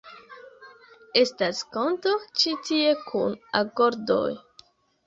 Estas konto ĉi tie kun agordoj